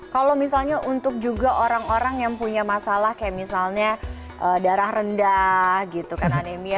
kalau misalnya untuk juga orang orang yang punya masalah kayak misalnya darah rendah gitu kan anemia